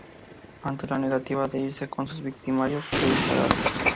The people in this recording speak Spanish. Ante la negativa de irse con sus victimarios, le dispararon.